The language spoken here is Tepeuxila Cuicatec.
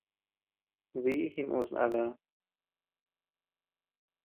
Biʼi jínus nata.